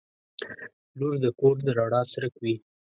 • لور د کور د رڼا څرک وي.